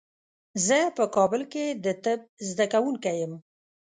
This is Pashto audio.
زه په کابل کې د طب زده کوونکی یم.